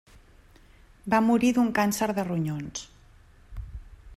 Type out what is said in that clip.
Va morir d'un càncer de ronyons.